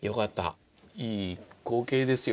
いい光景ですよ